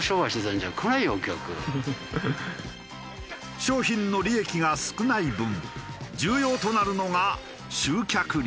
商品の利益が少ない分重要となるのが集客力。